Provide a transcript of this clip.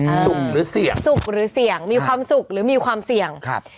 สุกหรือเสี่ยงสุกหรือเสี่ยงมีความสุขหรือมีความเสี่ยงครับ